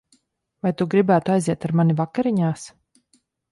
Vai tu gribētu aiziet ar mani vakariņās?